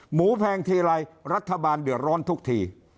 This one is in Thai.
แพงทีไรรัฐบาลเดือดร้อนทุกที